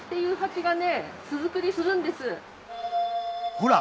ほら！